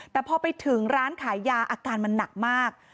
แต่พอไปถึงร้านขายยาอาการมันหนักมาก